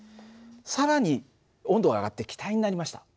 更に温度が上がって気体になりました。